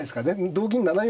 同銀７四